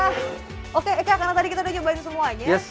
nah oke eka karena tadi kita udah nyobain semuanya